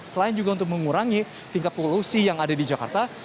selain juga untuk mengurangi tingkat polusi yang ada di jakarta